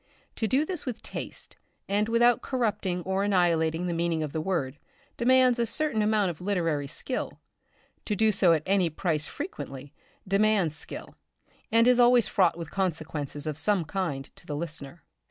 To do this with taste, and without corrupting or annihilating the meaning of the word, demands a certain amount of literary skill. To do so at any price frequently demands skill, and is always fraught with consequences of some kind to the listener.